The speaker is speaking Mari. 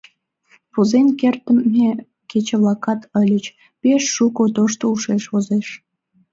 Возен кертдыме кече-влакат ыльыч — пеш шуко тошто ушеш возеш...”